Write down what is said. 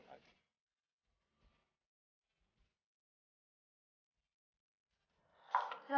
selamat datang kembali papa